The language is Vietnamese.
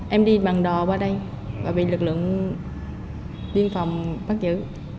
em đi bằng đò qua đây và bị lực lượng biên phòng bắt giữ